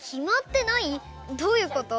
どういうこと？